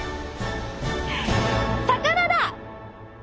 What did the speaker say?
魚だ！